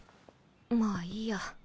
まぁいいや。